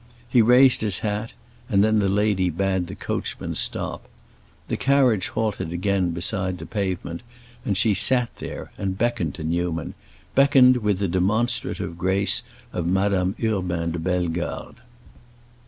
He raised his hat, and then the lady bade the coachman stop. The carriage halted again beside the pavement, and she sat there and beckoned to Newman—beckoned with the demonstrative grace of Madame Urbain de Bellegarde.